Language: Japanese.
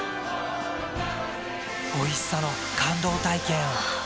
おいしさの感動体験を。